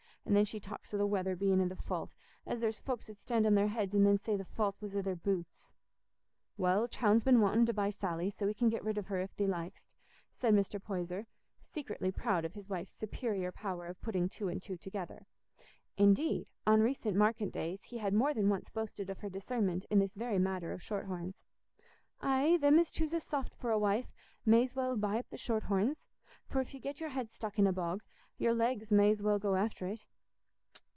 And then she talks o' the weather bein' i' fault, as there's folks 'ud stand on their heads and then say the fault was i' their boots." "Well, Chowne's been wanting to buy Sally, so we can get rid of her if thee lik'st," said Mr. Poyser, secretly proud of his wife's superior power of putting two and two together; indeed, on recent market days he had more than once boasted of her discernment in this very matter of shorthorns. "Aye, them as choose a soft for a wife may's well buy up the shorthorns, for if you get your head stuck in a bog, your legs may's well go after it.